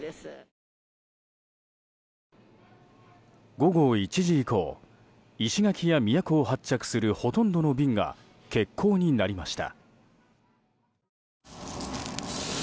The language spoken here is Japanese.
午後１時以降石垣や宮古を発着するほとんどの便が欠航になりました。